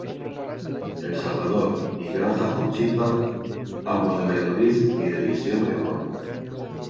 El Salvador y Granja Conchita, ambos de Valladolid y de División de Honor.